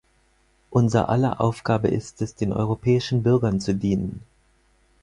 Unser aller Aufgabe ist es, den europäischen Bürgern zu dienen.